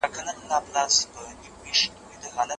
بخښنه ذهني ارامتيا راولي.